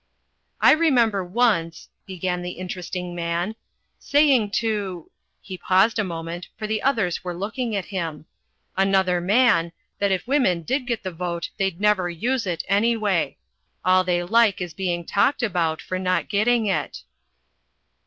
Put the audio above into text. "I remember once," began the Interesting Man, "saying to" he paused a moment, for the others were looking at him "another man that if women did get the vote they'd never use it, anyway. All they like is being talked about for not getting it."